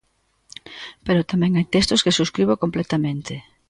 Pero tamén hai textos que subscribo completamente.